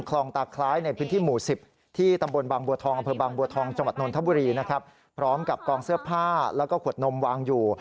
คลองตาคล้ายในพื้นที่หมู่๑๐ที่ตำบลบางบัวทองอบบททบรีนะครับพร้อมกับกองเสื้อผ้าแล้วก็ขวดนมวางอยู่